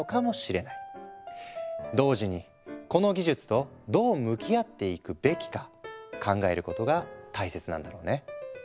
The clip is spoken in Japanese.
同時にこの技術とどう向き合っていくべきか考えることが大切なんだろうね。